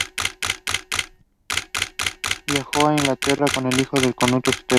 Viajó a Inglaterra con el hijo de Canuto Svend.